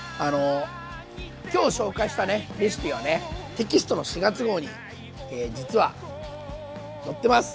今日紹介したレシピはテキストの４月号に実は載ってます！